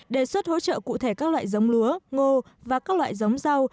đề xuất hỗ trợ cụ thể các loại giống lúa ngô và các loại giống rau